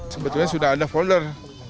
sebetulnya sudah ada folder